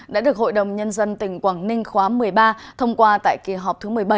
đã được hội đồng nhân dân tỉnh quảng ninh khóa một mươi ba thông qua tại kỳ họp thứ một mươi bảy